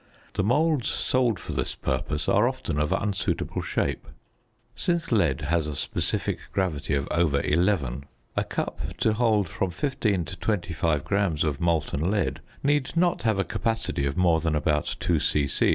The moulds sold for this purpose are often of unsuitable shape. Since lead has a specific gravity of over 11, a cup to hold from 15 to 25 grams of molten lead need not have a capacity of more than about 2 c.c.